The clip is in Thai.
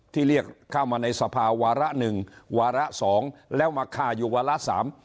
ที่เรียกเข้ามาในสภาวาละ๑วาละ๒แล้วมาค่าอยู่วาละ๓